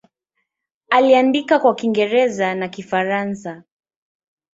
Aliandika kwa Kiingereza na Kifaransa.